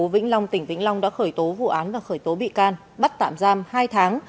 thành phố vĩnh long tỉnh vĩnh long đã khởi tố vụ án và khởi tố bị can bắt tạm giam hai tháng